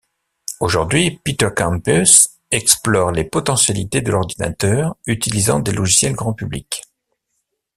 Aujourd'hui Peter Campus explore les potentialités de l'ordinateur, utilisant des logiciels grand public.